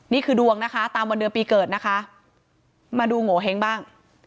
นี่คือดวงนะคะตามวันเดือนปีเกิดนะคะมาดูโงเห้งบ้าง